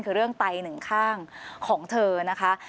คือเรื่องไตหนึ่งข้างของเธอนะคะ